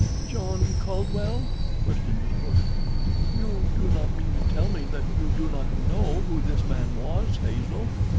"John Caldwell?" questioned Miss Porter. "You do not mean to tell me that you do not know who this man was, Hazel?"